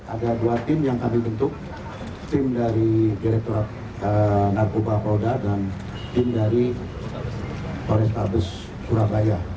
ada dua tim yang kami bentuk tim dari direkturat narkoba polda dan tim dari polrestabes surabaya